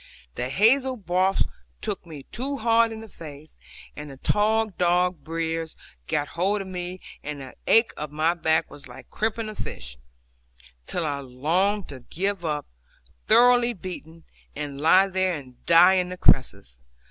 The hazel boughs took me too hard in the face, and the tall dog briers got hold of me, and the ache of my back was like crimping a fish; till I longed to give up, thoroughly beaten, and lie there and die in the cresses.